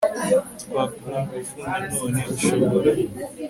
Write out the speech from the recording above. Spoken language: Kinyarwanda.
twa ku ngufu Nanone ushobora